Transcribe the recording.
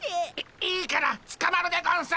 いいいからつかまるでゴンスっ。